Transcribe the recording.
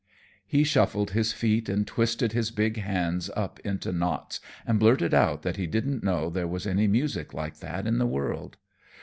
He shuffled his feet and twisted his big hands up into knots and blurted out that he didn't know there was any music like that in the world.